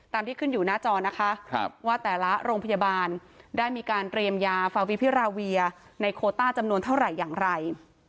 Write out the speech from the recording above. ที่ขึ้นอยู่หน้าจอนะคะว่าแต่ละโรงพยาบาลได้มีการเตรียมยาฟาวิพิราเวียในโคต้าจำนวนเท่าไหร่อย่างไร